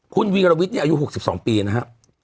คุณวีรวิทย์เนี่ยอายุ๖๒ปีนะครับ